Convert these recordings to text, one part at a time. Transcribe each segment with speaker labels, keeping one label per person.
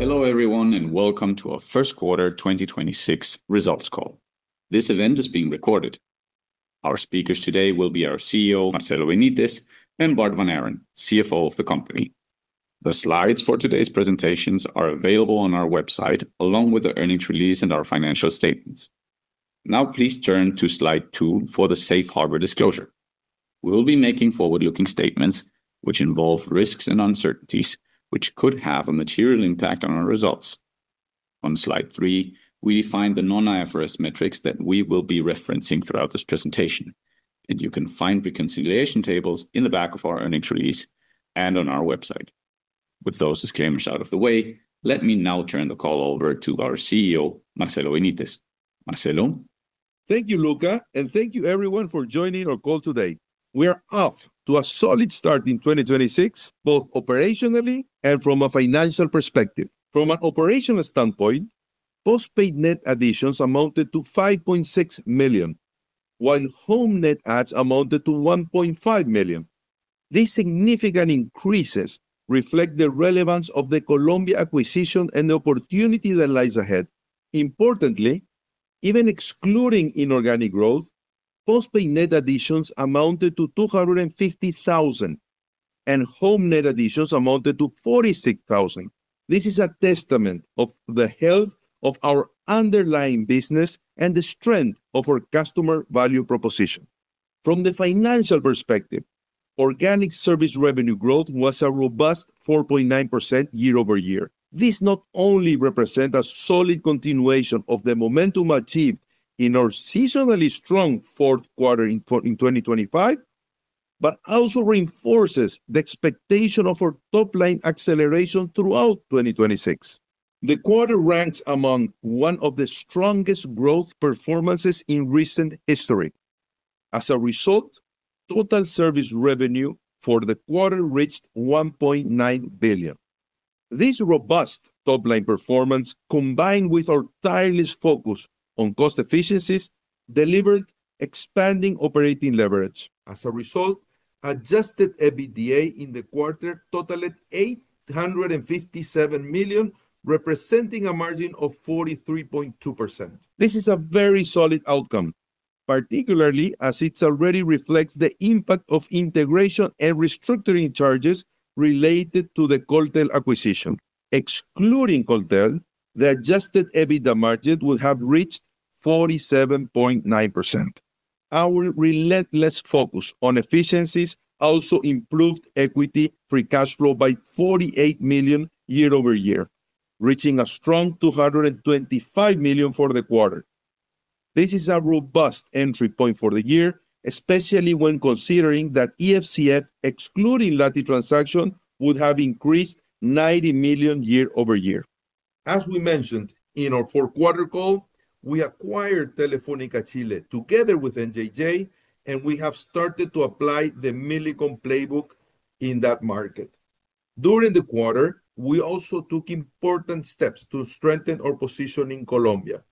Speaker 1: Hello everyone and welcome to our first quarter 2026 results call. This event is being recorded. Our speakers today will be our CEO, Marcelo Benítez, and Bart Vanhaeren, CFO of the company. The slides for today's presentations are available on our website, along with the earnings release and our financial statements. Please turn to slide two for the safe harbor disclosure. We will be making forward-looking statements which involve risks and uncertainties, which could have a material impact on our results. On slide three, we define the non-IFRS metrics that we will be referencing throughout this presentation, and you can find reconciliation tables in the back of our earnings release and on our website. With those disclaimers out of the way, let me now turn the call over to our CEO, Marcelo Benítez. Marcelo?
Speaker 2: Thank you Lucas Munoz, and thank you everyone for joining our call today. We are off to a solid start in 2026, both operationally and from a financial perspective. From an operational standpoint, postpaid net additions amounted to $5.6 million, while home net adds amounted to $1.5 million. These significant increases reflect the relevance of the Colombia acquisition and the opportunity that lies ahead. Importantly, even excluding inorganic growth, postpaid net additions amounted to $250,000, and home net additions amounted to $46,000. This is a testament of the health of our underlying business and the strength of our customer value proposition. From the financial perspective, organic service revenue growth was a robust 4.9% year-over-year. This not only represent a solid continuation of the momentum achieved in our seasonally strong fourth quarter in 2025, but also reinforces the expectation of our top-line acceleration throughout 2026. The quarter ranks among one of the strongest growth performances in recent history. As a result, total service revenue for the quarter reached $1.9 billion. This robust top-line performance, combined with our tireless focus on cost efficiencies, delivered expanding operating leverage. As a result, adjusted EBITDA in the quarter totaled $857 million, representing a margin of 43.2%. This is a very solid outcome, particularly as it already reflects the impact of integration and restructuring charges related to the Coltel acquisition. Excluding Coltel, the adjusted EBITDA margin will have reached 47.9%. Our relentless focus on efficiencies also improved equity free cash flow by $48 million year-over-year, reaching a strong $225 million for the quarter. This is a robust entry point for the year, especially when considering that EFCF, excluding Latam transaction, would have increased $90 million year-over-year. As we mentioned in our fourth quarter call, we acquired Telefónica Chile together with NJJ, and we have started to apply the Millicom playbook in that market. During the quarter, we also took important steps to strengthen our position in Colombia.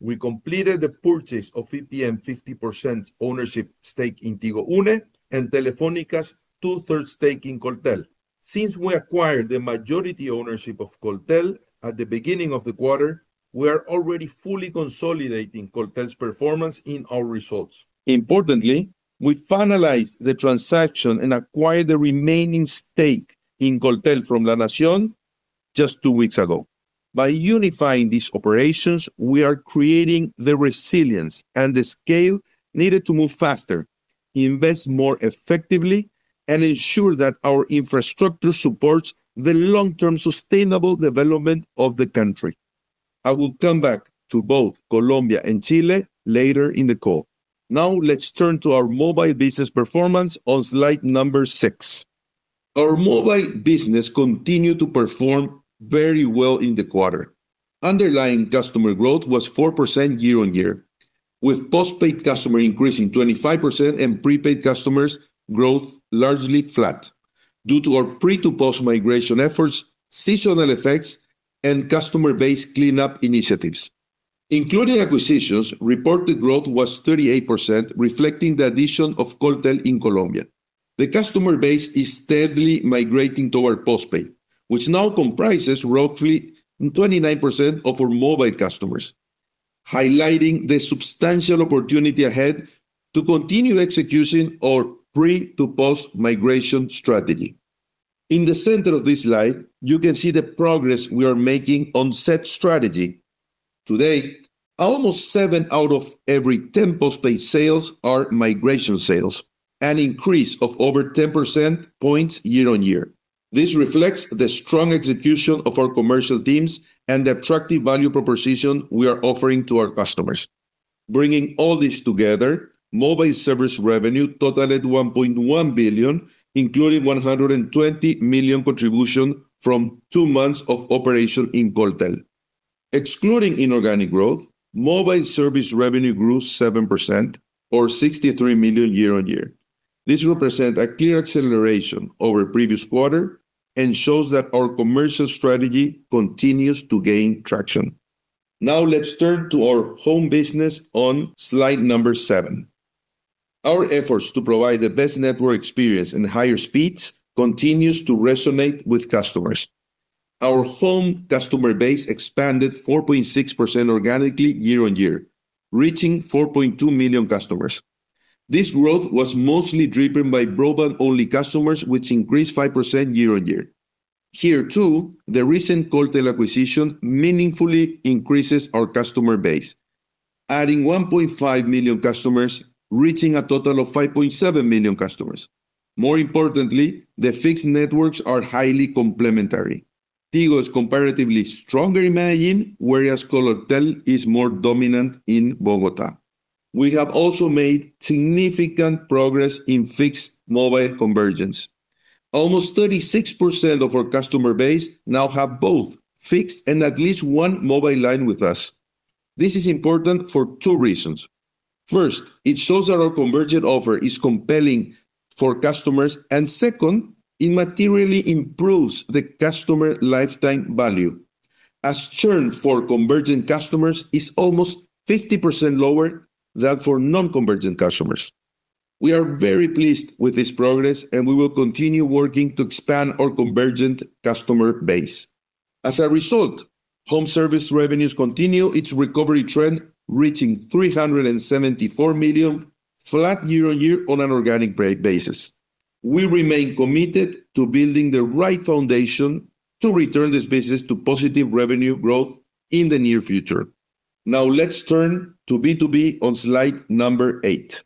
Speaker 2: We completed the purchase of EPM 50% ownership stake in Tigo Une and Telefónica's 2/3 stake in Coltel. Since we acquired the majority ownership of Coltel at the beginning of the quarter, we are already fully consolidating Coltel's performance in our results. Importantly, we finalized the transaction and acquired the remaining stake in Coltel from La Nación just two weeks ago. By unifying these operations, we are creating the resilience and the scale needed to move faster, invest more effectively, and ensure that our infrastructure supports the long-term sustainable development of the country. I will come back to both Colombia and Chile later in the call. Now let's turn to our mobile business performance on slide number six. Our mobile business continued to perform very well in the quarter. Underlying customer growth was 4% year-over-year, with postpaid customer increasing 25% and prepaid customers growth largely flat due to our pre to post migration efforts, seasonal effects, and customer base cleanup initiatives. Including acquisitions, reported growth was 38%, reflecting the addition of Coltel in Colombia. The customer base is steadily migrating toward postpaid, which now comprises roughly 29% of our mobile customers, highlighting the substantial opportunity ahead to continue executing our pre to post migration strategy. In the center of this slide, you can see the progress we are making on set strategy. Today, almost seven out of every 10 postpaid sales are migration sales, an increase of over 10 percentage points year-on-year. This reflects the strong execution of our commercial teams and the attractive value proposition we are offering to our customers. Bringing all this together, mobile service revenue totaled $1.1 billion, including $120 million contribution from two months of operation in Coltel. Excluding inorganic growth, mobile service revenue grew 7% or $63 million year-on-year. This represent a clear acceleration over previous quarter and shows that our commercial strategy continues to gain traction. Let's turn to our home business on slide seven. Our efforts to provide the best network experience and higher speeds continues to resonate with customers. Our home customer base expanded 4.6% organically year-over-year, reaching 4.2 million customers. This growth was mostly driven by broadband-only customers, which increased 5% year-over-year. Here too, the recent Coltel acquisition meaningfully increases our customer base, adding 1.5 million customers, reaching a total of 5.7 million customers. More importantly, the fixed networks are highly complementary. Tigo is comparatively stronger in Medellin, whereas Coltel is more dominant in Bogota. We have also made significant progress in fixed mobile convergence. Almost 36% of our customer base now have both fixed and at least one mobile line with us. This is important for two reasons. First, it shows that our convergent offer is compelling for customers. Second, it materially improves the customer lifetime value, as churn for convergent customers is almost 50% lower than for non-convergent customers. We are very pleased with this progress, and we will continue working to expand our convergent customer base. As a result, home service revenues continue its recovery trend, reaching $374 million, flat year-over-year on an organic basis. We remain committed to building the right foundation to return this business to positive revenue growth in the near future. Now let's turn to B2B on slide number eight.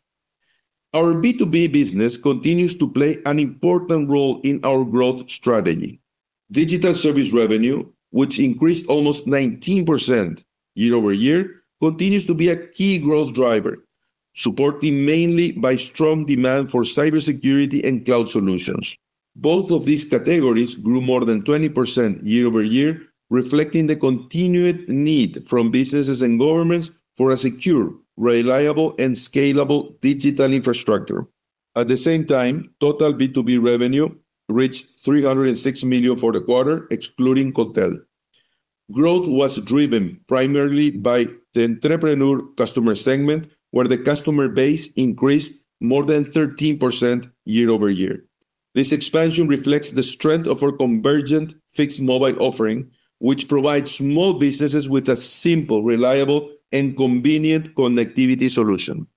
Speaker 2: Our B2B business continues to play an important role in our growth strategy. Digital service revenue, which increased almost 19% year-over-year, continues to be a key growth driver, supported mainly by strong demand for cybersecurity and cloud solutions. Both of these categories grew more than 20% year-over-year, reflecting the continued need from businesses and governments for a secure, reliable, and scalable digital infrastructure. At the same time, total B2B revenue reached $306 million for the quarter, excluding Coltel. Growth was driven primarily by the entrepreneur customer segment, where the customer base increased more than 13% year-over-year. This expansion reflects the strength of our convergent fixed mobile offering, which provides small businesses with a simple, reliable, and convenient connectivity solution.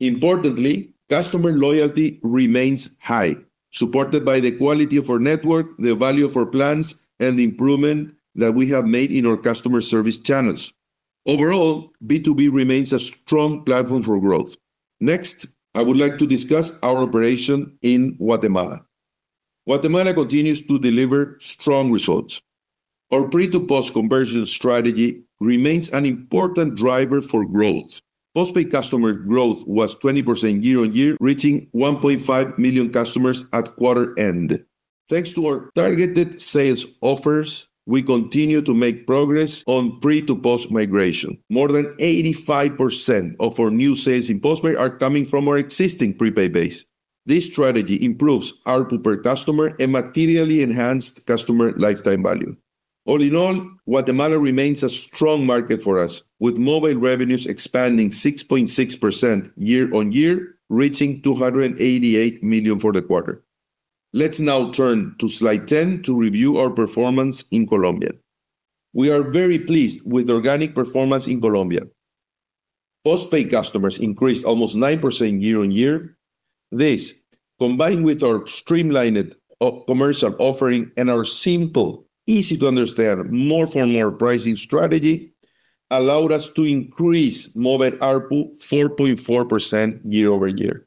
Speaker 2: Importantly, customer loyalty remains high, supported by the quality of our network, the value of our plans, and the improvement that we have made in our customer service channels. Overall, B2B remains a strong platform for growth. Next, I would like to discuss our operation in Guatemala. Guatemala continues to deliver strong results. Our pre-to-post conversion strategy remains an important driver for growth. postpaid customer growth was 20% year-on-year, reaching 1.5 million customers at quarter end. Thanks to our targeted sales offers, we continue to make progress on pre-to-post migration. More than 85% of our new sales in postpaid are coming from our existing prepaid base. This strategy improves ARPU per customer and materially enhanced customer lifetime value. All in all, Guatemala remains a strong market for us, with mobile revenues expanding 6.6% year-on-year, reaching $288 million for the quarter. Let's now turn to slide 10 to review our performance in Colombia. We are very pleased with organic performance in Colombia. postpaid customers increased almost 9% year-on-year. This, combined with our streamlined commercial offering and our simple, easy to understand, more familiar pricing strategy, allowed us to increase mobile ARPU 4.4% year-over-year.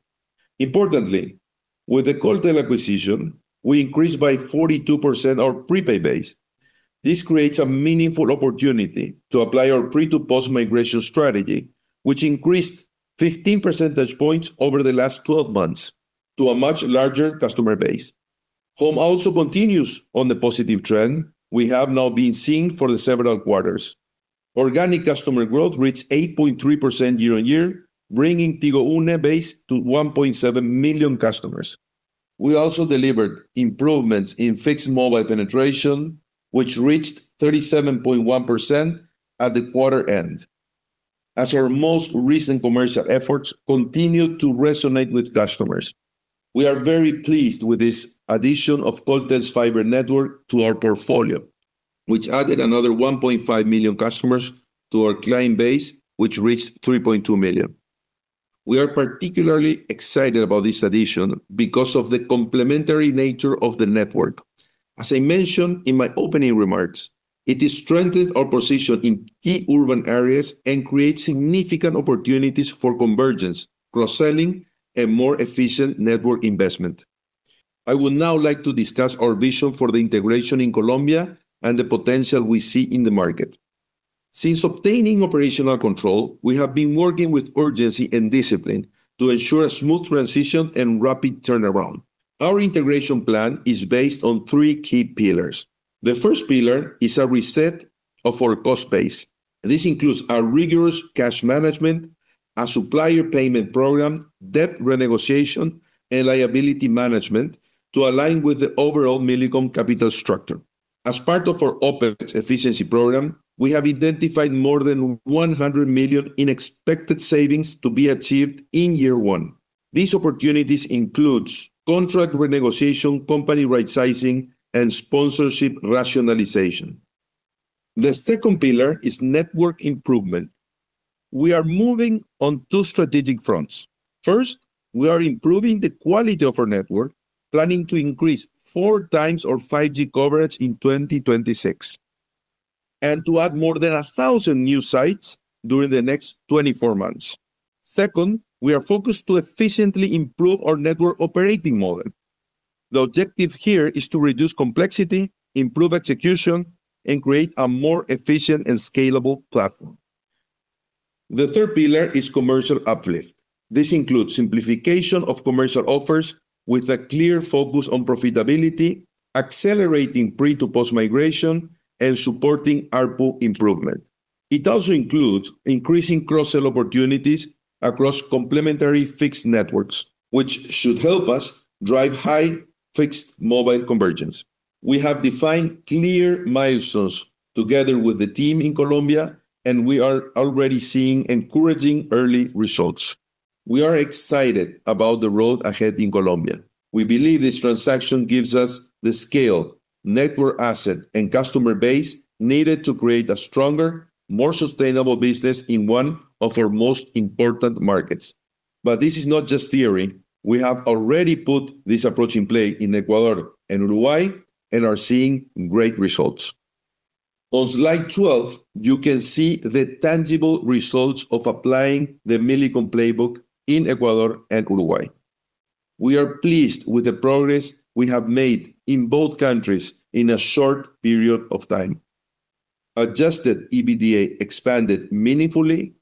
Speaker 2: Importantly, with the Coltel acquisition, we increased by 42% our prepaid base. This creates a meaningful opportunity to apply our pre-to-post migration strategy, which increased 15 percentage points over the last 12 months to a much larger customer base. Home also continues on the positive trend we have now been seeing for the several quarters. Organic customer growth reached 8.3% year-on-year, bringing Tigo Une base to 1.7 million customers. We also delivered improvements in fixed mobile penetration, which reached 37.1% at the quarter end, as our most recent commercial efforts continued to resonate with customers. We are very pleased with this addition of Coltel's fiber network to our portfolio, which added another 1.5 million customers to our client base, which reached 3.2 million. We are particularly excited about this addition because of the complementary nature of the network. As I mentioned in my opening remarks, it has strengthened our position in key urban areas and creates significant opportunities for convergence, cross-selling, and more efficient network investment. I would now like to discuss our vision for the integration in Colombia and the potential we see in the market. Since obtaining operational control, we have been working with urgency and discipline to ensure a smooth transition and rapid turnaround. Our integration plan is based on three key pillars. The first pillar is a reset of our cost base. This includes a rigorous cash management, a supplier payment program, debt renegotiation, and liability management to align with the overall Millicom capital structure. As part of our OpEx efficiency program, we have identified more than $100 million in expected savings to be achieved in year one. These opportunities includes contract renegotiation, company rightsizing, and sponsorship rationalization. The second pillar is network improvement. We are moving on two strategic fronts. First, we are improving the quality of our network, planning to increase 4x our 5G coverage in 2026, and to add more than 1,000 new sites during the next 24 months. Second, we are focused to efficiently improve our network operating model. The objective here is to reduce complexity, improve execution, and create a more efficient and scalable platform. The third pillar is commercial uplift. This includes simplification of commercial offers with a clear focus on profitability, accelerating pre to post migration, and supporting ARPU improvement. It also includes increasing cross-sell opportunities across complementary fixed networks, which should help us drive high fixed mobile convergence. We have defined clear milestones together with the team in Colombia, and we are already seeing encouraging early results. We are excited about the road ahead in Colombia. We believe this transaction gives us the scale, network asset, and customer base needed to create a stronger, more sustainable business in one of our most important markets. This is not just theory. We have already put this approach in play in Ecuador and Uruguay and are seeing great results. On slide 12, you can see the tangible results of applying the Millicom playbook in Ecuador and Uruguay. We are pleased with the progress we have made in both countries in a short period of time. Adjusted EBITDA expanded meaningfully,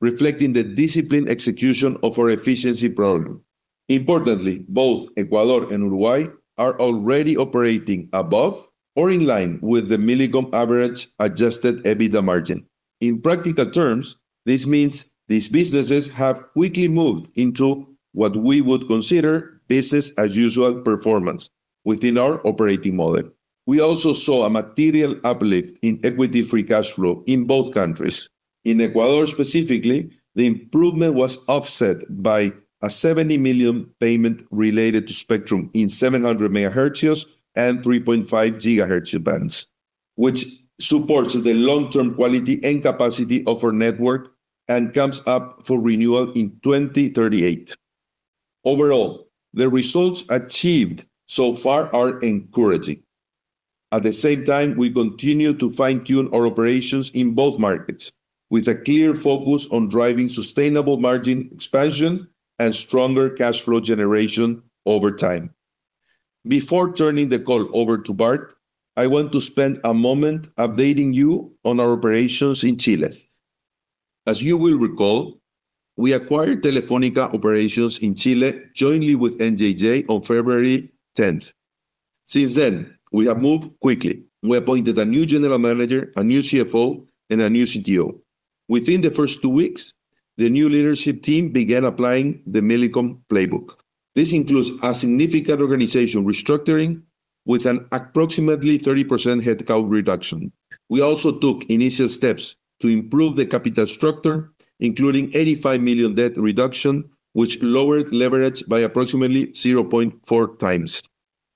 Speaker 2: reflecting the disciplined execution of our efficiency program. Importantly, both Ecuador and Uruguay are already operating above or in line with the Millicom average adjusted EBITDA margin. In practical terms, this means these businesses have quickly moved into what we would consider business as usual performance within our operating model. We also saw a material uplift in equity free cash flow in both countries. In Ecuador specifically, the improvement was offset by a $70 million payment related to spectrum in 700 MHz and 3.5 GHz bands, which supports the long-term quality and capacity of our network and comes up for renewal in 2038. Overall, the results achieved so far are encouraging. At the same time, we continue to fine-tune our operations in both markets with a clear focus on driving sustainable margin expansion and stronger cash flow generation over time. Before turning the call over to Bart, I want to spend a moment updating you on our operations in Chile. As you will recall, we acquired Telefónica operations in Chile jointly with NJJ on February 10th. Since then, we have moved quickly. We appointed a new general manager, a new CFO, and a new CTO. Within the first two weeks, the new leadership team began applying the Millicom playbook. This includes a significant organizational restructuring with an approximately 30% headcount reduction. We also took initial steps to improve the capital structure, including $85 million debt reduction, which lowered leverage by approximately 0.4x.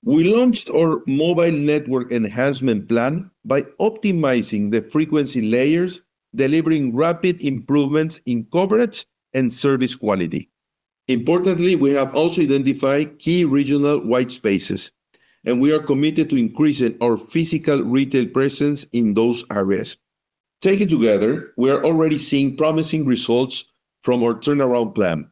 Speaker 2: We launched our mobile network enhancement plan by optimizing the frequency layers, delivering rapid improvements in coverage and service quality. Importantly, we have also identified key regional white spaces, and we are committed to increasing our physical retail presence in those areas. Taken together, we are already seeing promising results from our turnaround plan.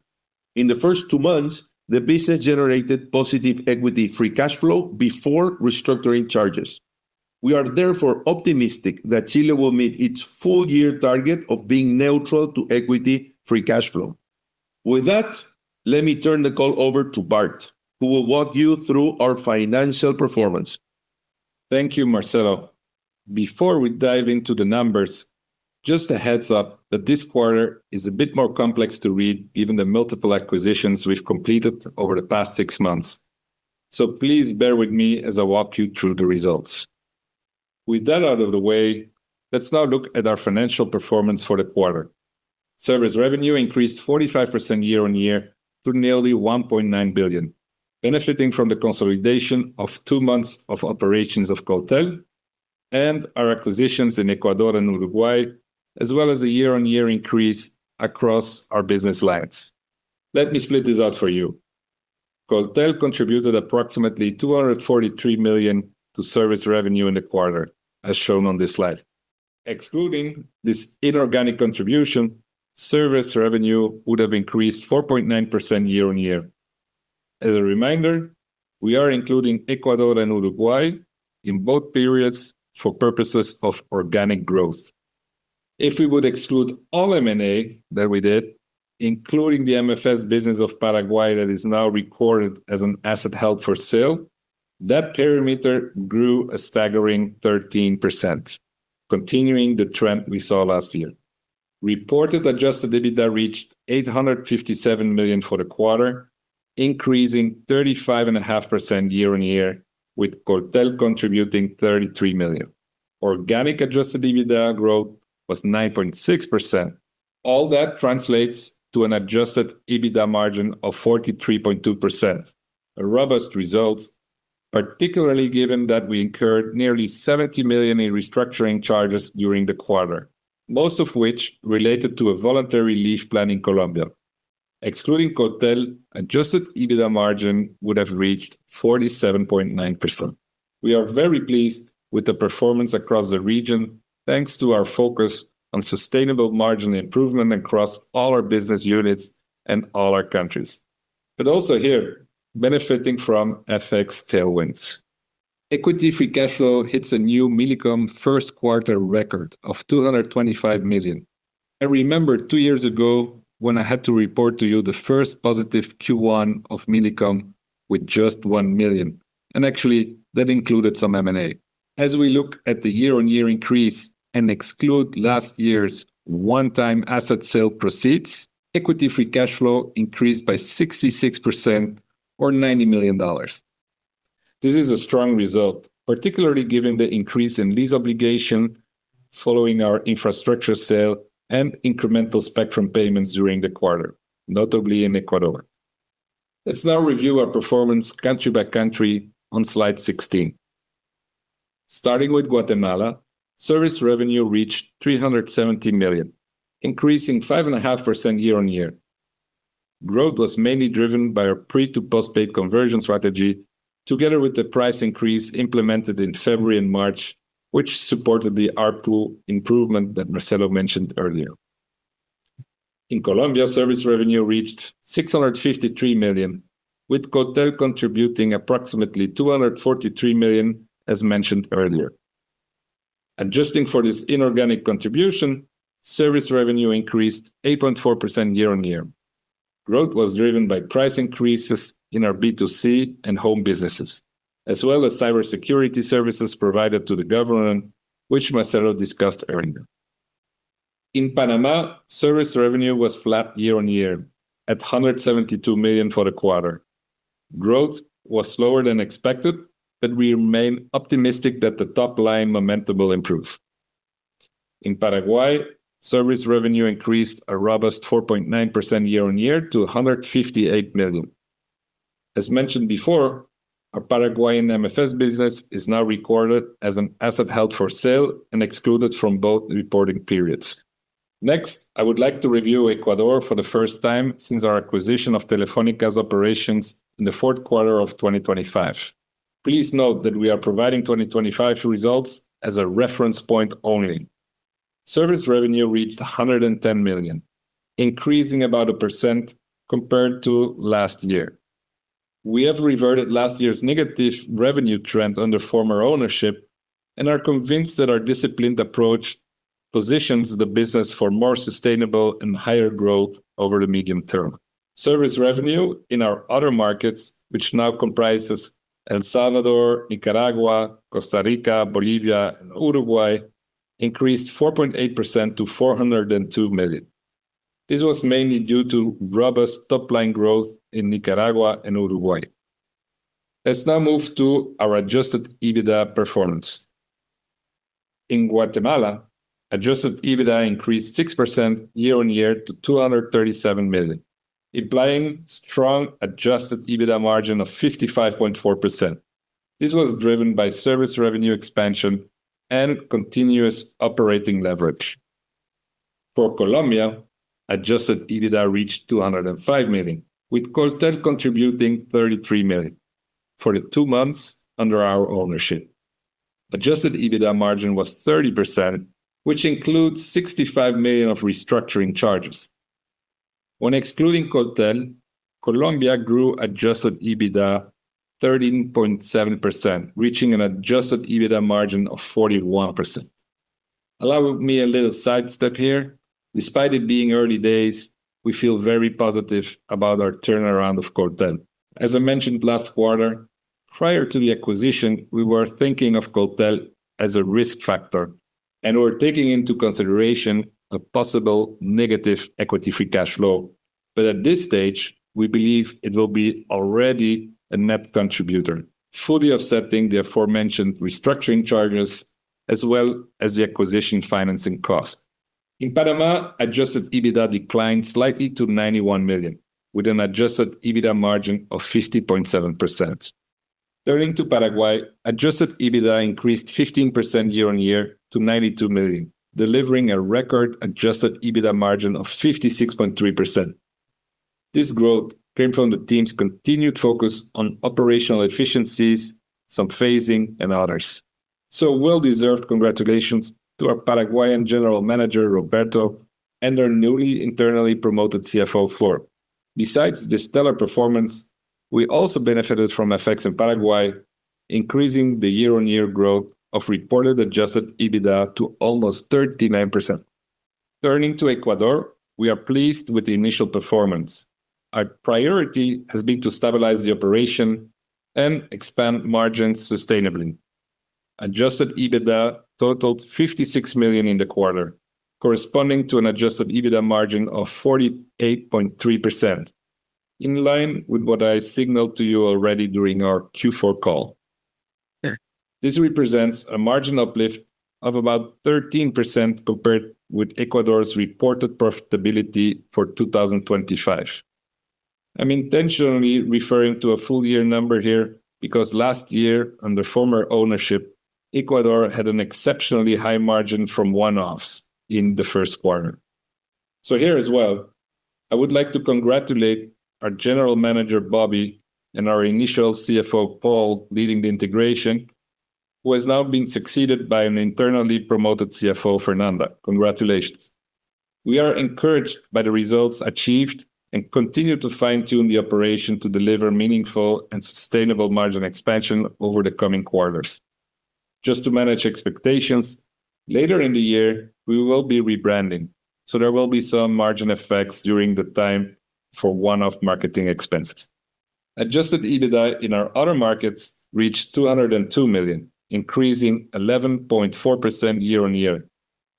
Speaker 2: In the first two months, the business generated positive equity free cash flow before restructuring charges. We are therefore optimistic that Chile will meet its full year target of being neutral to equity free cash flow. With that, let me turn the call over to Bart, who will walk you through our financial performance.
Speaker 3: Thank you, Marcelo. Before we dive into the numbers, just a heads-up that this quarter is a bit more complex to read given the multiple acquisitions we've completed over the past six months. Please bear with me as I walk you through the results. With that out of the way, let's now look at our financial performance for the quarter. Service revenue increased 45% year-on-year to nearly $1.9 billion, benefiting from the consolidation of two months of operations of Coltel and our acquisitions in Ecuador and Uruguay, as well as a year-on-year increase across our business lines. Let me split this out for you. Coltel contributed approximately $243 million to service revenue in the quarter, as shown on this slide. Excluding this inorganic contribution, service revenue would have increased 4.9% year-on-year. As a reminder, we are including Ecuador and Uruguay in both periods for purposes of organic growth. If we would exclude all M&A that we did, including the MFS business of Paraguay that is now recorded as an asset held for sale, that perimeter grew a staggering 13%, continuing the trend we saw last year. Reported adjusted EBITDA reached $857 million for the quarter, increasing 35.5% year-on-year, with Coltel contributing $33 million. Organic adjusted EBITDA growth was 9.6%. All that translates to an adjusted EBITDA margin of 43.2%. A robust result, particularly given that we incurred nearly $70 million in restructuring charges during the quarter, most of which related to a voluntary leave plan in Colombia. Excluding Coltel, adjusted EBITDA margin would have reached 47.9%. We are very pleased with the performance across the region, thanks to our focus on sustainable margin improvement across all our business units and all our countries. Also here, benefiting from FX tailwinds. Equity free cash flow hits a new Millicom first quarter record of $225 million. I remember two years ago when I had to report to you the first positive Q1 of Millicom with just $1 million, and actually that included some M&A. As we look at the year-on-year increase and exclude last year's one-time asset sale proceeds, equity free cash flow increased by 66% or $90 million. This is a strong result, particularly given the increase in lease obligation following our infrastructure sale and incremental spectrum payments during the quarter, notably in Ecuador. Let's now review our performance country by country on slide 16. Starting with Guatemala, service revenue reached $370 million, increasing 5.5% year-on-year. Growth was mainly driven by our prepaid to postpaid conversion strategy together with the price increase implemented in February and March, which supported the ARPU improvement that Marcelo mentioned earlier. In Colombia, service revenue reached $653 million, with Coltel contributing approximately $243 million, as mentioned earlier. Adjusting for this inorganic contribution, service revenue increased 8.4% year-on-year. Growth was driven by price increases in our B2C and home businesses, as well as cybersecurity services provided to the government, which Marcelo discussed earlier. In Panama, service revenue was flat year-on-year at $172 million for the quarter. Growth was slower than expected, we remain optimistic that the top-line momentum will improve. In Paraguay, service revenue increased a robust 4.9% year-on-year to $158 million. As mentioned before, our Paraguayan MFS business is now recorded as an asset held for sale and excluded from both reporting periods. Next, I would like to review Ecuador for the first time since our acquisition of Telefónica's operations in the fourth quarter of 2025. Please note that we are providing 2025 results as a reference point only. Service revenue reached $110 million, increasing about 1% compared to last year. We have reverted last year's negative revenue trend under former ownership and are convinced that our disciplined approach positions the business for more sustainable and higher growth over the medium term. Service revenue in our other markets, which now comprises El Salvador, Nicaragua, Costa Rica, Bolivia, and Uruguay, increased 4.8% to $402 million. This was mainly due to robust top-line growth in Nicaragua and Uruguay. Let's now move to our adjusted EBITDA performance. In Guatemala, adjusted EBITDA increased 6% year-over-year to $237 million, implying strong adjusted EBITDA margin of 55.4%. This was driven by service revenue expansion and continuous operating leverage. For Colombia, adjusted EBITDA reached $205 million, with Coltel contributing $33 million for the two months under our ownership. Adjusted EBITDA margin was 30%, which includes $65 million of restructuring charges. Excluding Coltel, Colombia grew adjusted EBITDA 13.7%, reaching an adjusted EBITDA margin of 41%. Allow me a little sidestep here. Despite it being early days, we feel very positive about our turnaround of Coltel. As I mentioned last quarter, prior to the acquisition, we were thinking of Coltel as a risk factor, and we're taking into consideration a possible negative equity free cash flow. At this stage, we believe it will be already a net contributor, fully offsetting the aforementioned restructuring charges as well as the acquisition financing cost. In Panama, adjusted EBITDA declined slightly to $91 million, with an adjusted EBITDA margin of 50.7%. Turning to Paraguay, adjusted EBITDA increased 15% year-on-year to $92 million, delivering a record adjusted EBITDA margin of 56.3%. This growth came from the team's continued focus on operational efficiencies, some phasing, and others. Well-deserved congratulations to our Paraguayan General Manager, Roberto, and our newly internally promoted CFO, Flores. Besides the stellar performance, we also benefited from effects in Paraguay, increasing the year-on-year growth of reported adjusted EBITDA to almost 39%. Turning to Ecuador, we are pleased with the initial performance. Our priority has been to stabilize the operation and expand margins sustainably. Adjusted EBITDA totaled $56 million in the quarter, corresponding to an adjusted EBITDA margin of 48.3%. In line with what I signaled to you already during our Q4 call. This represents a margin uplift of about 13% compared with Ecuador's reported profitability for 2025. I'm intentionally referring to a full year number here because last year, under former ownership, Ecuador had an exceptionally high margin from one-offs in the first quarter. Here as well, I would like to congratulate our general manager, Bobby, and our initial CFO, Paul, leading the integration, who has now been succeeded by an internally promoted CFO, Fernanda. Congratulations. We are encouraged by the results achieved and continue to fine-tune the operation to deliver meaningful and sustainable margin expansion over the coming quarters. Just to manage expectations, later in the year, we will be rebranding, so there will be some margin effects during the time for one-off marketing expenses. Adjusted EBITDA in our other markets reached $202 million, increasing 11.4% year-over-year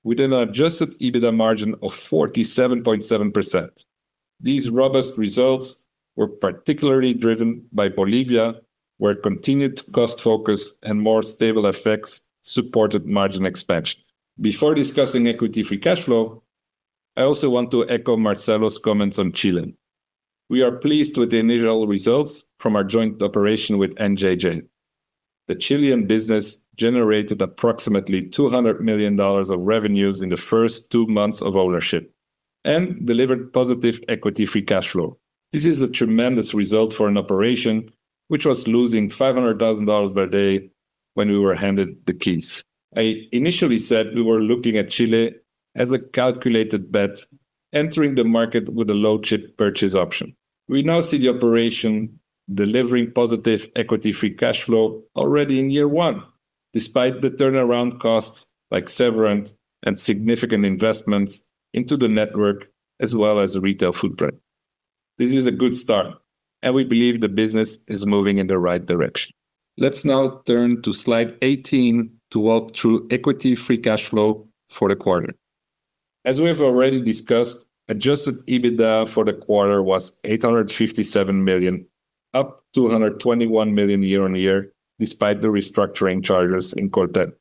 Speaker 3: with an adjusted EBITDA margin of 47.7%. These robust results were particularly driven by Bolivia, where continued cost focus and more stable effects supported margin expansion. Before discussing equity free cash flow, I also want to echo Marcelo's comments on Chile. We are pleased with the initial results from our joint operation with NJJ. The Chilean business generated approximately $200 million of revenues in the first two months of ownership and delivered positive equity free cash flow. This is a tremendous result for an operation which was losing $500,000 per day when we were handed the keys. I initially said we were looking at Chile as a calculated bet, entering the market with a low-cost purchase option. We now see the operation delivering positive equity free cash flow already in year one, despite the turnaround costs like severance and significant investments into the network as well as retail footprint. This is a good start, and we believe the business is moving in the right direction. Let's now turn to slide 18 to walk through equity free cash flow for the quarter. As we have already discussed, adjusted EBITDA for the quarter was $857 million, up $221 million year-on-year, despite the restructuring charges in Coltel.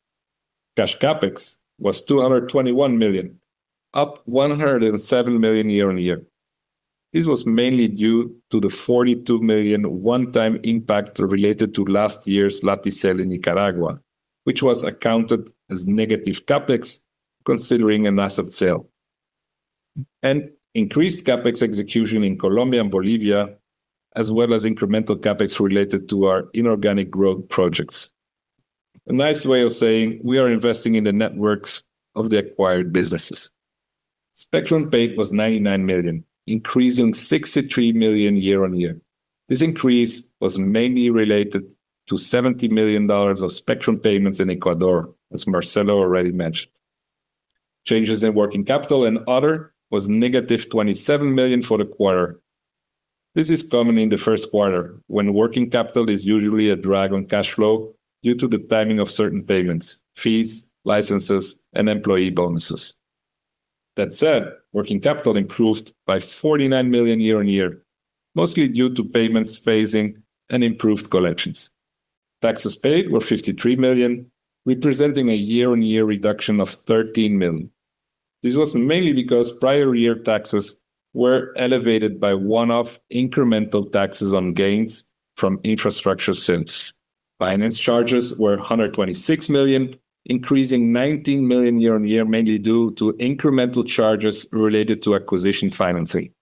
Speaker 3: Cash CapEx was $221 million, up $107 million year-on-year. This was mainly due to the $42 million one-time impact related to last year's Lati sale in Nicaragua, which was accounted as negative CapEx, considering an asset sale. Increased CapEx execution in Colombia and Bolivia, as well as incremental CapEx related to our inorganic growth projects. A nice way of saying we are investing in the networks of the acquired businesses. Spectrum paid was $99 million, increasing $63 million year-on-year. This increase was mainly related to $70 million of spectrum payments in Ecuador as Marcelo already mentioned. Changes in working capital and other was $-27 million for the quarter. This is common in the first quarter when working capital is usually a drag on cash flow due to the timing of certain payments, fees, licenses, and employee bonuses. That said, working capital improved by $49 million year-on-year, mostly due to payments phasing and improved collections. Taxes paid were $53 million, representing a year-on-year reduction of $13 million. This was mainly because prior year taxes were elevated by one-off incremental taxes on gains from infrastructure sales. Finance charges were $126 million, increasing $19 million year-on-year, mainly due to incremental charges related to acquisition financing.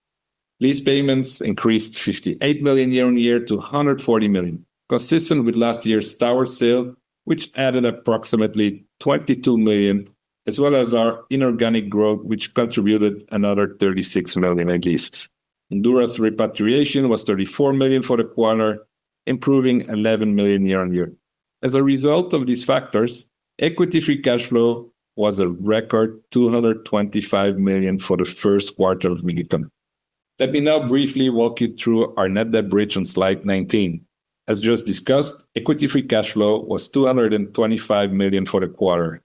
Speaker 3: Lease payments increased $58 million year-on-year to $140 million, consistent with last year's tower sale, which added approximately $22 million, as well as our inorganic growth, which contributed another $36 million in leases. Honduras repatriation was $34 million for the quarter, improving $11 million year-on-year. As a result of these factors, equity free cash flow was a record $225 million for the first quarter of Millicom. Let me now briefly walk you through our net debt bridge on slide 19. As just discussed, equity free cash flow was $225 million for the quarter.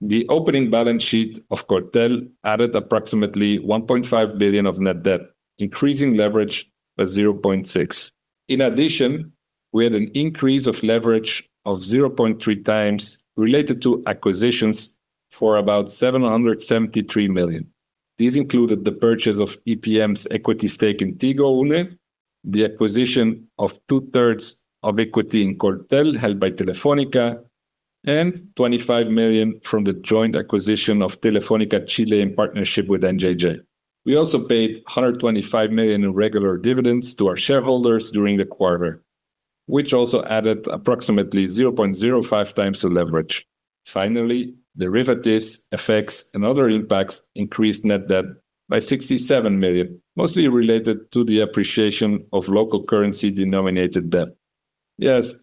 Speaker 3: The opening balance sheet of Coltel added approximately $1.5 billion of net debt, increasing leverage by 0.6. We had an increase of leverage of 0.3x related to acquisitions for about $773 million. These included the purchase of EPM's equity stake in Tigo Une, the acquisition of 2/3 of equity in Coltel held by Telefónica, and $25 million from the joint acquisition of Telefónica Chile in partnership with NJJ. We also paid $125 million in regular dividends to our shareholders during the quarter, which also added approximately 0.05x the leverage. Finally, derivatives, effects, and other impacts increased net debt by $67 million, mostly related to the appreciation of local currency denominated debt. FX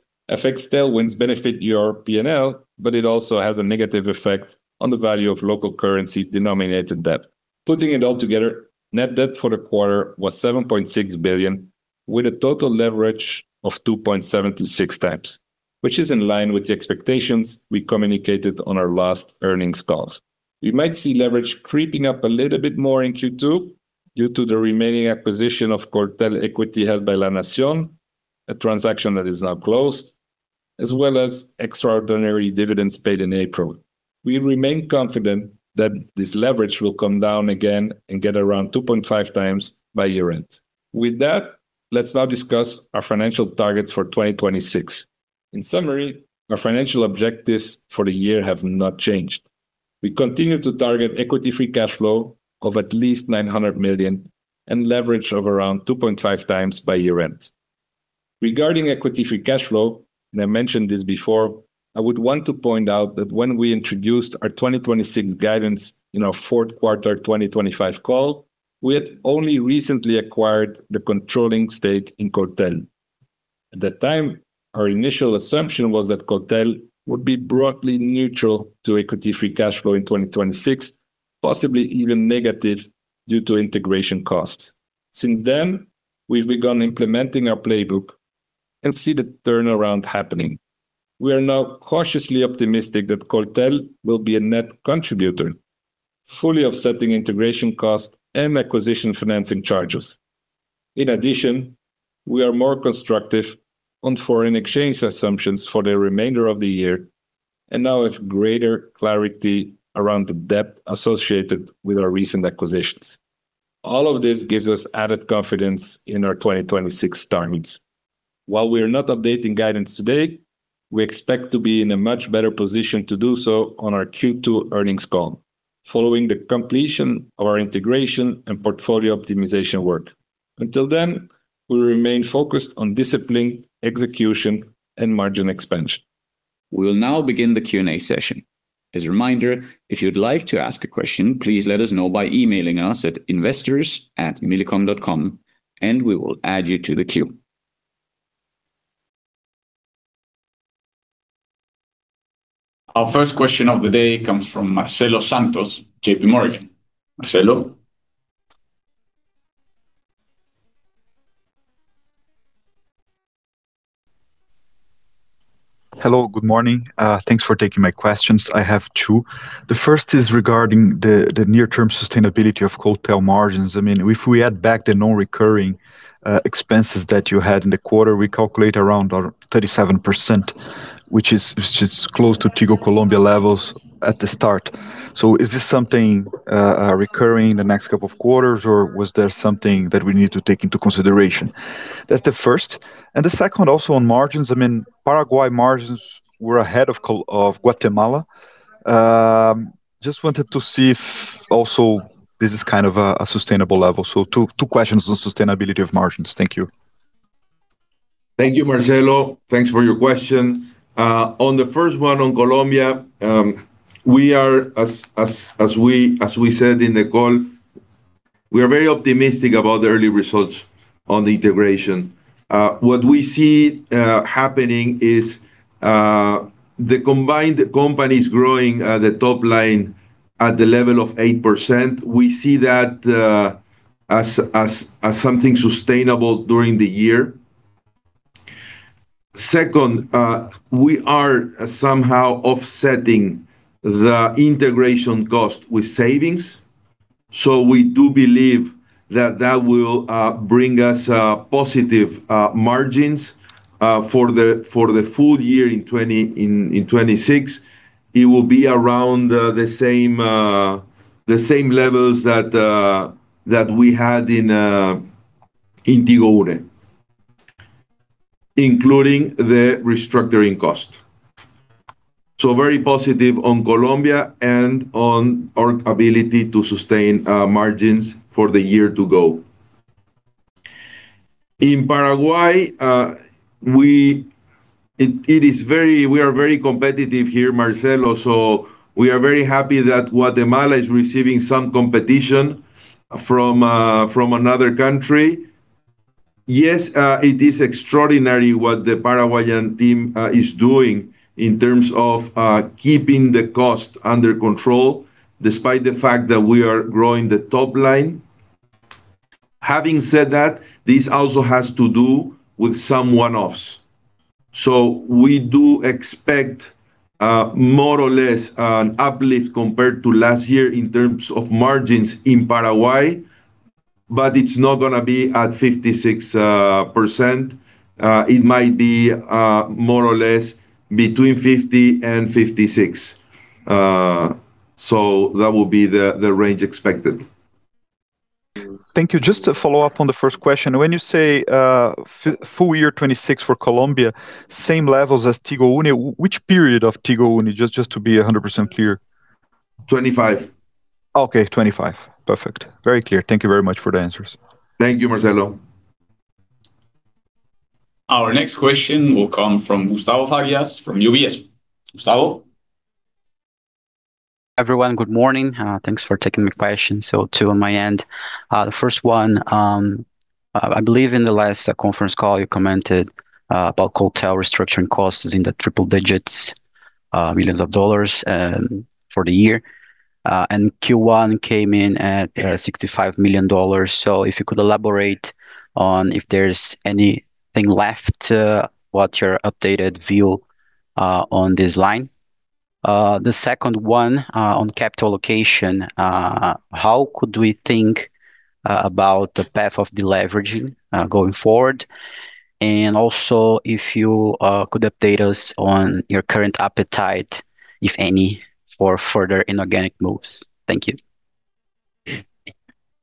Speaker 3: tailwinds benefit your P&L but it also has a negative effect on the value of local currency denominated debt. Putting it all together, net debt for the quarter was $7.6 billion. With a total leverage of 2.7 to 6x, which is in line with the expectations we communicated on our last earnings calls. We might see leverage creeping up a little bit more in Q2 due to the remaining acquisition of Coltel equity held by La Nación, a transaction that is now closed, as well as extraordinary dividends paid in April. We remain confident that this leverage will come down again and get around 2.5x by year-end. With that, let's now discuss our financial targets for 2026. In summary, our financial objectives for the year have not changed. We continue to target equity free cash flow of at least $900 million and leverage of around 2.5x by year-end. Regarding equity free cash flow, and I mentioned this before, I would want to point out that when we introduced our 2026 guidance in our fourth quarter 2025 call, we had only recently acquired the controlling stake in Coltel. At that time, our initial assumption was that Coltel would be broadly neutral to equity free cash flow in 2026, possibly even negative due to integration costs. Since then, we've begun implementing our playbook and see the turnaround happening. We are now cautiously optimistic that Coltel will be a net contributor, fully offsetting integration costs and acquisition financing charges. In addition, we are more constructive on foreign exchange assumptions for the remainder of the year, and now have greater clarity around the debt associated with our recent acquisitions. All of this gives us added confidence in our 2026 targets. While we are not updating guidance today, we expect to be in a much better position to do so on our Q2 earnings call, following the completion of our integration and portfolio optimization work. Until then, we remain focused on disciplined execution and margin expansion.
Speaker 1: We will now begin the Q&A session. As a reminder, if you'd like to ask a question, please let us know by emailing us at investors@millicom.com, and we will add you to the queue. Our first question of the day comes from Marcelo Santos, JPMorgan. Marcelo.
Speaker 4: Hello good morning. Thanks for taking my questions. I have two. The first is regarding the near-term sustainability of Coltel margins. I mean, if we add back the non-recurring expenses that you had in the quarter, we calculate around 37%, which is close to Tigo Colombia levels at the start. Is this something recurring in the next couple of quarters, or was there something that we need to take into consideration? That's the first. The second also on margins. I mean, Paraguay margins were ahead of Guatemala. Just wanted to see if also this is kind of a sustainable level. Two questions on sustainability of margins. Thank you.
Speaker 3: Thank you Marcelo. Thanks for your question. On the first one on Colombia, we are as we said in the call, we are very optimistic about the early results on the integration. What we see happening is the combined companies growing the top line at the level of 8%. We see that as something sustainable during the year. Second, we are somehow offsetting the integration cost with savings. We do believe that that will bring us positive margins for the full year in 2026. It will be around the same levels that we had in Tigo Une, including the restructuring cost. Very positive on Colombia and on our ability to sustain margins for the year to go. In Paraguay, we are very competitive here, Marcelo, so we are very happy that Guatemala is receiving some competition from another country. Yes, it is extraordinary what the Paraguayan team is doing in terms of keeping the cost under control despite the fact that we are growing the top line. Having said that, this also has to do with some one-offs. We do expect more or less an uplift compared to last year in terms of margins in Paraguay, but it's not gonna be at 56%. It might be more or less between 50 and 56. That will be the range expected.
Speaker 4: Thank you. Just to follow up on the first question. When you say, full year 2026 for Colombia, same levels as Tigo Une, which period of Tigo Une? Just to be 100% clear.
Speaker 3: 2025.
Speaker 4: Okay, 2025. Perfect. Very clear. Thank you very much for the answers.
Speaker 3: Thank you Marcelo.
Speaker 1: Our next question will come from Gustavo Farias from UBS. Gustavo?
Speaker 5: Everyone good morning. Thanks for taking my questions. Two on my end. The first one, I believe in the last conference call you commented about Coltel restructuring costs is in the triple digits millions of dollars for the year. And Q1 came in at $65 million. If you could elaborate on if there's anything left, what's your updated view on this line? The second one, on capital allocation. How could we think about the path of deleveraging going forward? And also if you could update us on your current appetite, if any, for further inorganic moves. Thank you.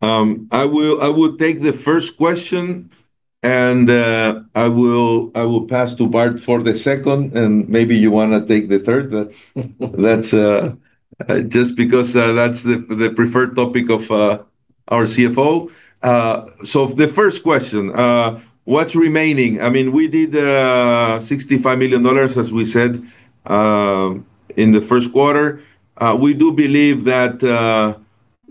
Speaker 2: I will take the first question and I will pass to Bart for the second, and maybe you wanna take the third. That's just because that's the preferred topic of our CFO. The first question, what's remaining? I mean, we did $65 million, as we said, in the first quarter. We do believe that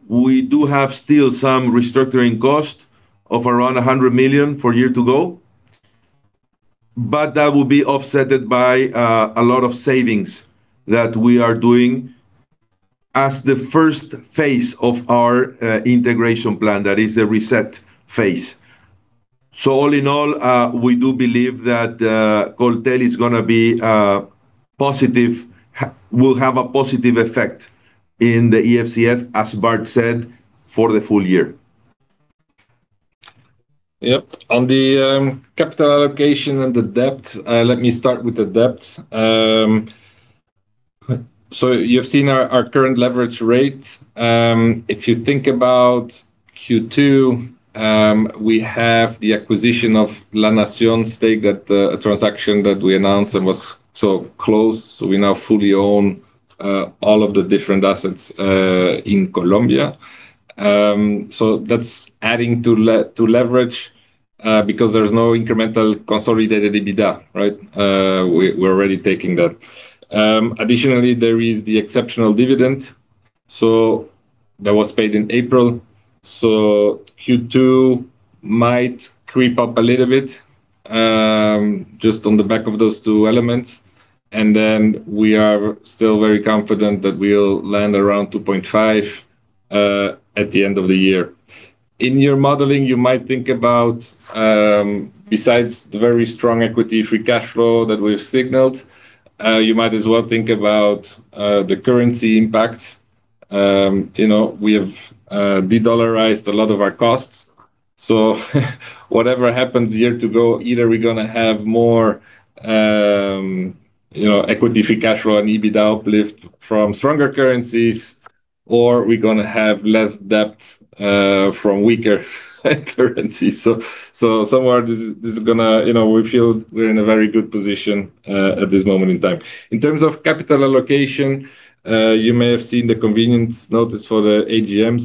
Speaker 2: we do have still some restructuring cost of around $100 million for year to go. That will be offsetted by a lot of savings that we are doing as the first phase of our integration plan, that is the reset phase. All in all, we do believe that Coltel is gonna be positive will have a positive effect in the EFCF, as Bart said, for the full year.
Speaker 3: Yep. On the capital allocation and the debt, let me start with the debt. You've seen our current leverage rates. If you think about Q2, we have the acquisition of La Nación stake that a transaction that we announced and was so close, so we now fully own all of the different assets in Colombia. That's adding to leverage because there's no incremental consolidated EBITDA, right? We're already taking that. Additionally, there is the exceptional dividend that was paid in April. Q2 might creep up a little bit just on the back of those two elements. We are still very confident that we'll land around 2.5 at the end of the year. In your modeling, you might think about, besides the very strong equity free cash flow that we've signaled, you might as well think about the currency impact. You know, we have de-dollarized a lot of our costs. Whatever happens a year to go, either we're gonna have more, you know, equity free cash flow and EBITDA uplift from stronger currencies, or we're gonna have less debt from weaker currencies. You know, we feel we're in a very good position at this moment in time. In terms of capital allocation, you may have seen the convening notice for the AGM,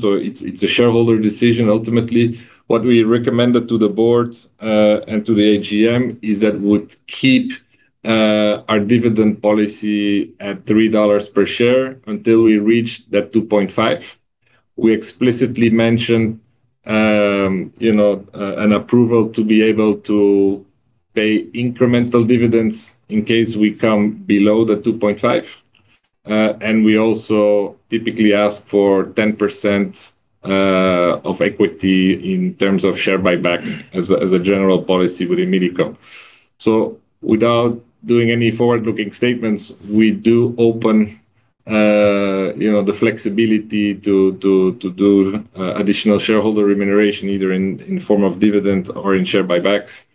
Speaker 3: it's a shareholder decision ultimately. What we recommended to the board and to the AGM is that we would keep our dividend policy at $3 per share until we reach that 2.5. We explicitly mention, you know, an approval to be able to pay incremental dividends in case we come below the 2.5. And we also typically ask for 10% of equity in terms of share buyback as a general policy within Millicom. Without doing any forward-looking statements, we do open, you know, the flexibility to do additional shareholder remuneration, either in form of dividend or in share buybacks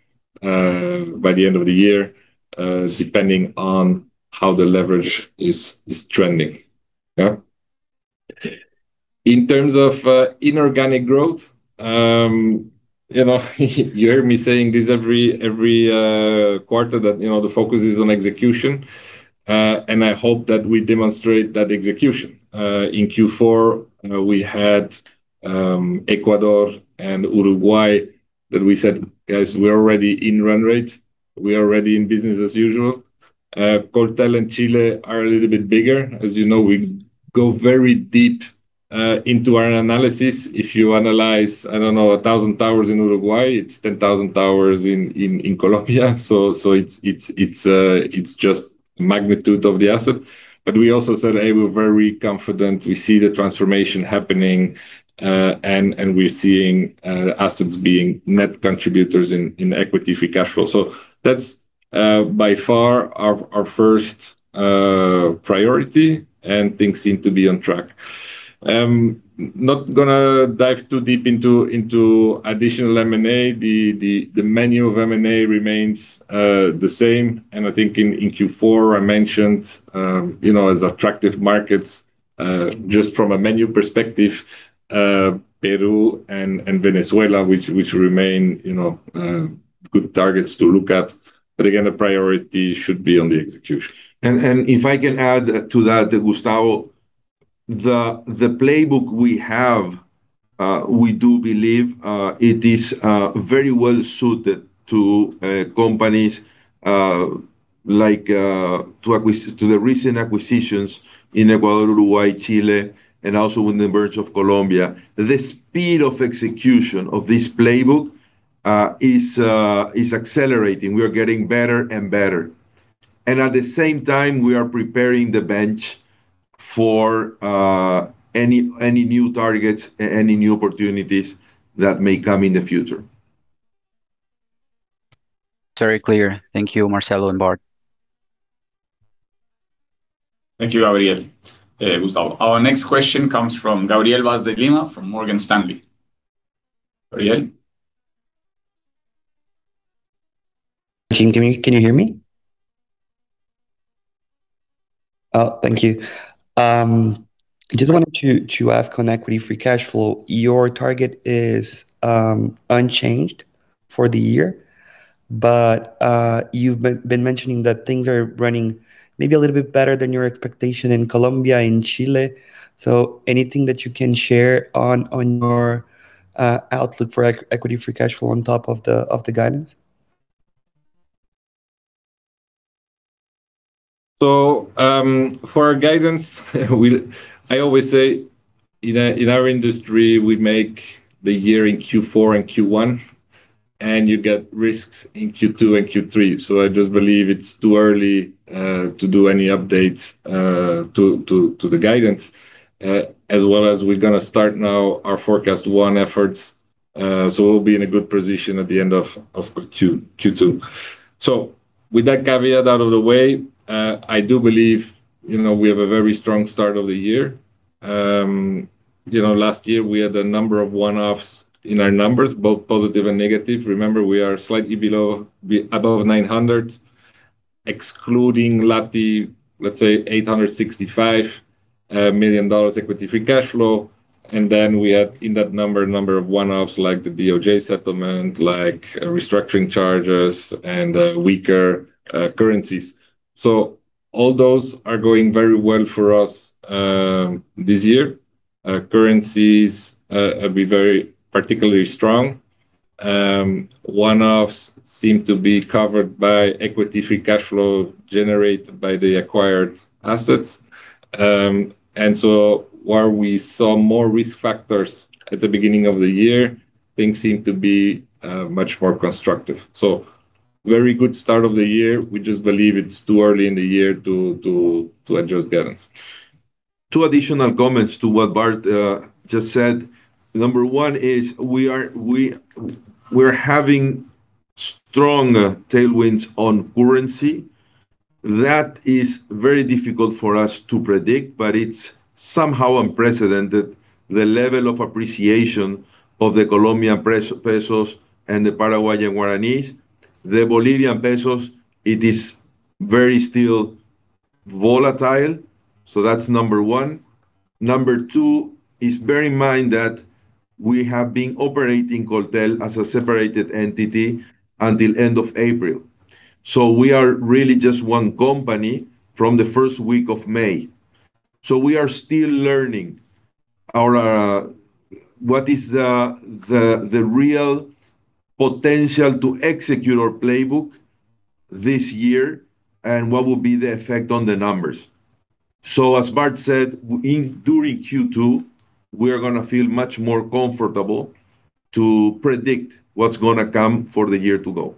Speaker 3: by the end of the year, depending on how the leverage is trending. In terms of inorganic growth, you know, you hear me saying this every quarter that, you know, the focus is on execution. I hope that we demonstrate that execution. In Q4, we had Ecuador and Uruguay that we said, "Guys, we're already in run rate. We're already in business as usual." Coltel and Chile are a little bit bigger. As you know, we go very deep into our analysis. If you analyze, I don't know, 1,000 towers in Uruguay, it's 10,000 towers in Colombia. It's just magnitude of the asset. We also said, "Hey, we're very confident. We see the transformation happening, and we're seeing assets being net contributors in equity free cash flow. That's by far our first priority, and things seem to be on track. I'm not gonna dive too deep into additional M&A. The menu of M&A remains the same. I think in Q4 I mentioned, you know, as attractive markets, just from a menu perspective, Peru and Venezuela, which remain, you know, good targets to look at. Again, the priority should be on the execution.
Speaker 2: If I can add to that, Gustavo, the playbook we have, we do believe, it is very well suited to companies like to the recent acquisitions in Ecuador, Uruguay, Chile, and also with the emergence of Colombia. The speed of execution of this playbook is accelerating. We are getting better and better. At the same time, we are preparing the bench for any new targets, any new opportunities that may come in the future.
Speaker 5: Very clear. Thank you Marcelo and Bart.
Speaker 1: Thank you Gustavo. Our next question comes from Gabriel Vaz de Lima from Morgan Stanley. Gabriel?
Speaker 6: Can you hear me? Thank you. I just wanted to ask on equity free cash flow. Your target is unchanged for the year, but you've been mentioning that things are running maybe a little bit better than your expectation in Colombia and Chile. Anything that you can share on your outlook for equity free cash flow on top of the guidance?
Speaker 3: I always say in our industry, we make the year in Q4 and Q1, and you get risks in Q2 and Q3. I just believe it's too early to do any updates to the guidance. As well as we're going to start now our forecast one efforts, so we'll be in a good position at the end of Q2. With that caveat out of the way, I do believe, you know, we have a very strong start of the year. You know, last year we had a number of one-offs in our numbers, both positive and negative. Remember, we are slightly below, above $900, excluding Lati, let's say $865 million equity free cash flow. We had in that number, a number of one-offs, like the DOJ settlement, like restructuring charges and weaker currencies. All those are going very well for us this year. Currencies have been very particularly strong. One-offs seem to be covered by equity free cash flow generated by the acquired assets. While we saw more risk factors at the beginning of the year, things seem to be much more constructive. Very good start of the year. We just believe it's too early in the year to adjust guidance.
Speaker 2: Two additional comments to what Bart just said. Number one is we're having strong tailwinds on currency. That is very difficult for us to predict, but it's somehow unprecedented the level of appreciation of the Colombian pesos and the Paraguayan guaranis. The Bolivian Boliviano, it is very still volatile. That's number one. Number two is bear in mind that we have been operating Coltel as a separated entity until end of April. We are really just one company from the 1st week of May. We are still learning our what is the real potential to execute our playbook this year and what will be the effect on the numbers. As Bart said, in during Q2, we are gonna feel much more comfortable to predict what's gonna come for the year to go.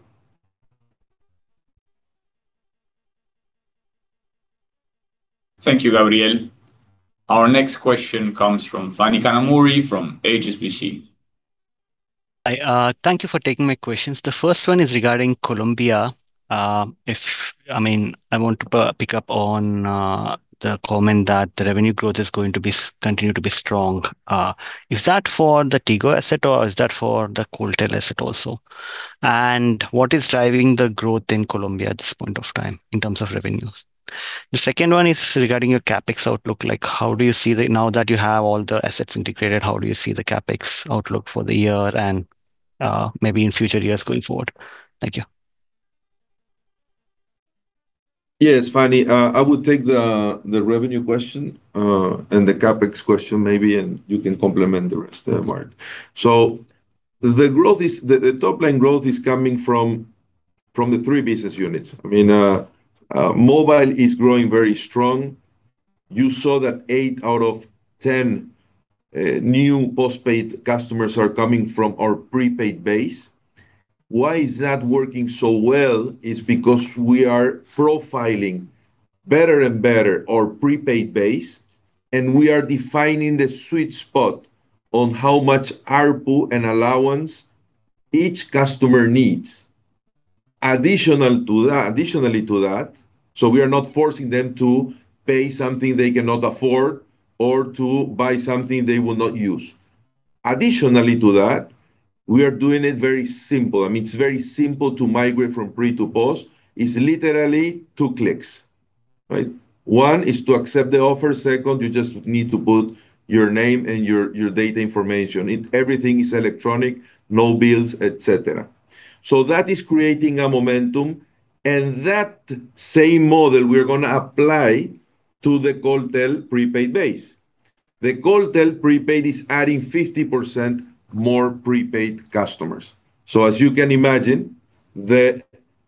Speaker 1: Thank you Gabriel. Our next question comes from Fani Kanamori from HSBC.
Speaker 7: I thank you for taking my questions. The first one is regarding Colombia. I mean, I want to pick up on the comment that the revenue growth is going to continue to be strong. Is that for the Tigo asset or is that for the Coltel asset also? What is driving the growth in Colombia at this point of time in terms of revenues? The second one is regarding your CapEx outlook. Like, now that you have all the assets integrated, how do you see the CapEx outlook for the year and maybe in future years going forward? Thank you.
Speaker 2: Yes Fani, I will take the revenue question and the CapEx question maybe, and you can complement the rest, Bart. The growth is, the top-line growth is coming from the three business units. I mean, mobile is growing very strong. You saw that eight out of 10 new postpaid customers are coming from our prepaid base. Why is that working so well is because we are profiling better and better our prepaid base, and we are defining the sweet spot on how much ARPU and allowance each customer needs. Additionally to that, we are not forcing them to pay something they cannot afford or to buy something they will not use. Additionally to that, we are doing it very simple. I mean, it's very simple to migrate from pre to post. It's literally two clicks, right? One is to accept the offer. Second, you just need to put your name and your data information. Everything is electronic, no bills, et cetera. That is creating a momentum, and that same model we're gonna apply to the Coltel prepaid base. The Coltel prepaid is adding 50% more prepaid customers. As you can imagine, the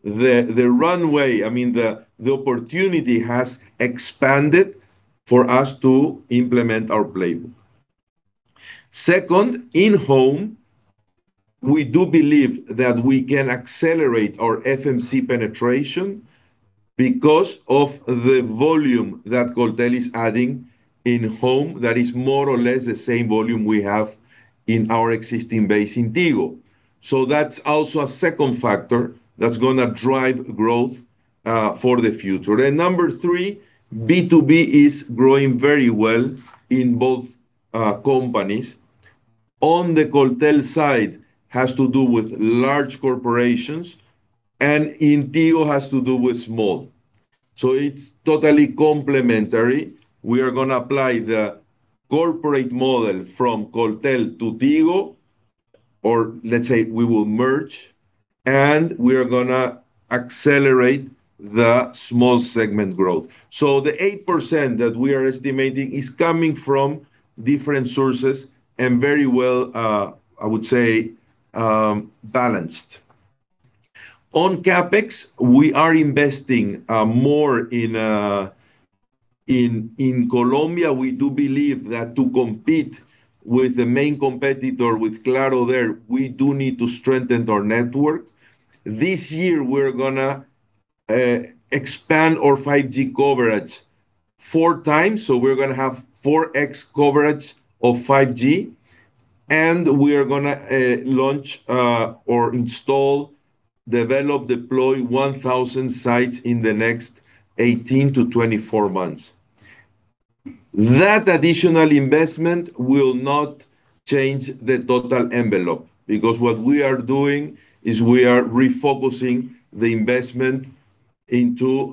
Speaker 2: runway, I mean, the opportunity has expanded for us to implement our playbook. Second, in home, we do believe that we can accelerate our FMC penetration because of the volume that Coltel is adding in home that is more or less the same volume we have in our existing base in Tigo. That's also a second factor that's gonna drive growth for the future. Number three, B2B is growing very well in both companies. On the Coltel side, has to do with large corporations, and in Tigo, has to do with small. It's totally complementary. We are gonna apply the corporate model from Coltel to Tigo, or let's say we will merge, and we are gonna accelerate the small segment growth. The 8% that we are estimating is coming from different sources and very well, I would say, balanced. On CapEx, we are investing in Colombia. We do believe that to compete with the main competitor, with Claro there, we do need to strengthen our network. This year we're gonna expand our 5G coverage four times, so we're gonna have 4x coverage of 5G, and we are gonna launch or install, develop, deploy 1,000 sites in the next 18-24 months. That additional investment will not change the total envelope, because what we are doing is we are refocusing the investment into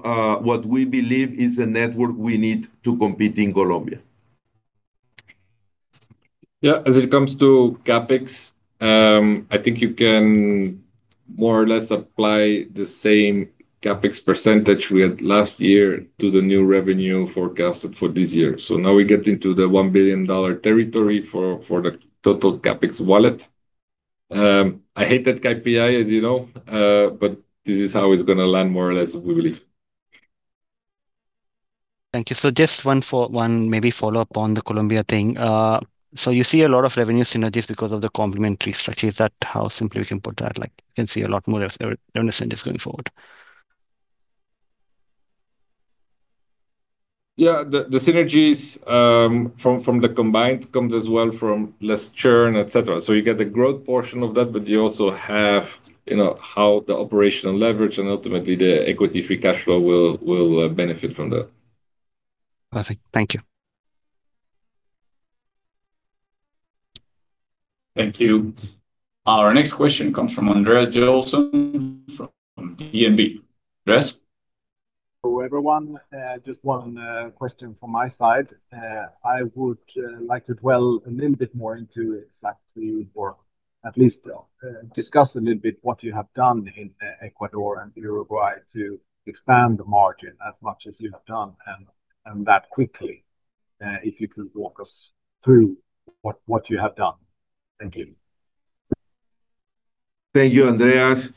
Speaker 2: what we believe is the network we need to compete in Colombia.
Speaker 3: As it comes to CapEx, I think you can more or less apply the same CapEx % we had last year to the new revenue forecasted for this year. Now we get into the $1 billion territory for the total CapEx wallet. I hate that KPI, as you know, but this is how it's gonna land more or less, we believe.
Speaker 7: Thank you. Just one maybe follow-up on the Colombia thing: You see a lot of revenue synergies because of the complementary strategies. Is that how simply we can put that, like you can see a lot more revenue synergies going forward?
Speaker 3: Yeah. The synergies from the combined comes as well from less churn, et cetera. You get the growth portion of that, you also have, you know, how the operational leverage and ultimately the equity free cash flow will benefit from that.
Speaker 7: Perfect. Thank you.
Speaker 1: Thank you. Our next question comes from Andreas Joelsson from DNB. Andreas?
Speaker 8: Hello everyone. Just one question from my side. I would like to dwell a little bit more into exactly or at least discuss a little bit what you have done in Ecuador and Uruguay to expand the margin as much as you have done and that quickly. If you could walk us through what you have done. Thank you.
Speaker 2: Thank you, Andreas.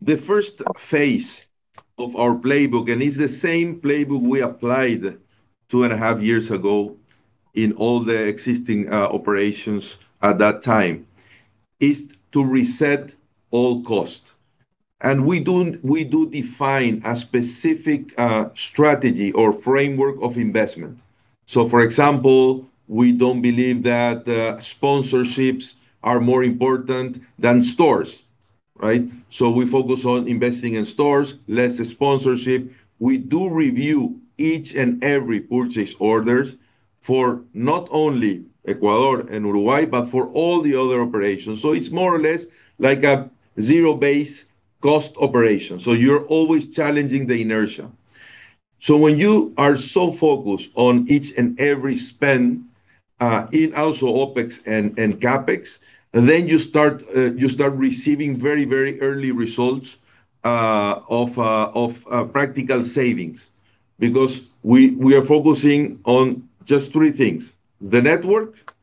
Speaker 2: The first phase of our playbook, it's the same playbook we applied 2.5 years ago in all the existing operations at that time, is to reset all costs. We do define a specific strategy or framework of investment. For example, we don't believe that sponsorships are more important than stores, right? We focus on investing in stores, less sponsorship. We do review each and every purchase orders for not only Ecuador and Uruguay, but for all the other operations. It's more or less like a zero base cost operation. You're always challenging the inertia. When you are so focused on each and every spend, in also OpEx and CapEx, then you start receiving very, very early results of practical savings, because we are focusing on just three things: the network,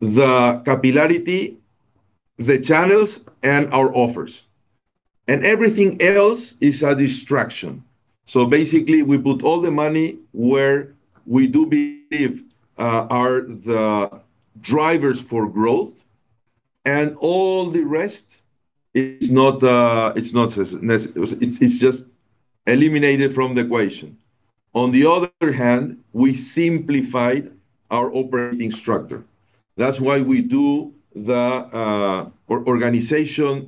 Speaker 2: the capillarity, the channels and our offers, and everything else is a distraction. Basically, we put all the money where we do believe are the drivers for growth, and all the rest is not just eliminated from the equation. On the other hand, we simplified our operating structure. That's why we do the organization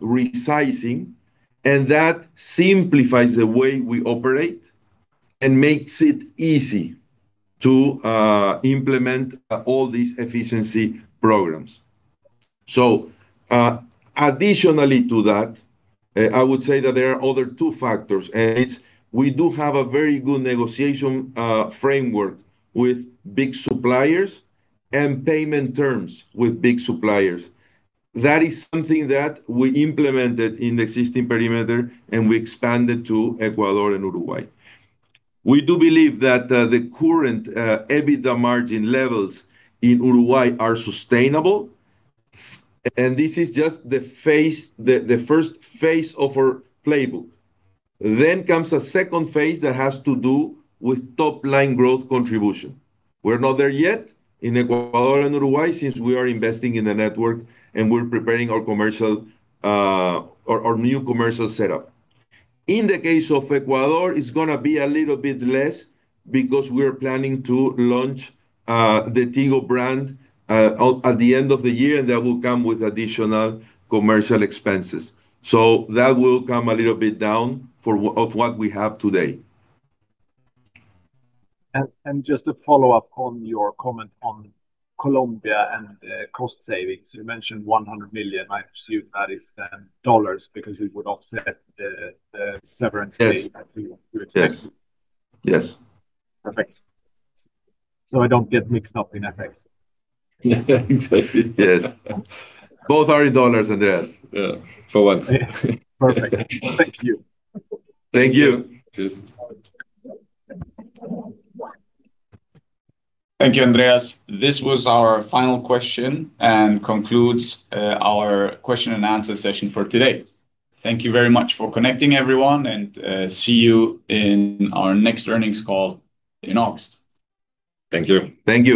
Speaker 2: resizing, and that simplifies the way we operate and makes it easy to implement all these efficiency programs. Additionally to that, I would say that there are other two factors, and it's we do have a very good negotiation framework with big suppliers and payment terms with big suppliers. That is something that we implemented in the existing perimeter, and we expanded to Ecuador and Uruguay. We do believe that the current EBITDA margin levels in Uruguay are sustainable, and this is just the first phase of our playbook. Comes a second phase that has to do with top line growth contribution. We're not there yet in Ecuador and Uruguay since we are investing in the network, and we're preparing our commercial or our new commercial setup. In the case of Ecuador, it's gonna be a little bit less because we are planning to launch the Tigo brand at the end of the year, and that will come with additional commercial expenses. That will come a little bit down for what we have today.
Speaker 8: Just a follow-up on your comment on Colombia and cost savings. You mentioned $100 million. I assume that is dollars because it would offset the severance pay.
Speaker 2: Yes
Speaker 3: that we would do.
Speaker 2: Yes. Yes.
Speaker 8: Perfect. I don't get mixed up in effects.
Speaker 3: Exactly, yes. Both are in dollars, Andreas, for once.
Speaker 8: Perfect. Thank you.
Speaker 2: Thank you.
Speaker 3: Cheers.
Speaker 1: Thank you Andreas. This was our final question and concludes our question and answer session for today. Thank you very much for connecting, everyone, and see you in our next earnings call in August.
Speaker 3: Thank you.
Speaker 2: Thank you.